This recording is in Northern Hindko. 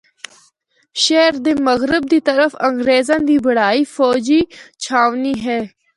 شہر دے مغرب دی طرف انگریزاں دی بنڑائ فوجی چھاؤنی ہے۔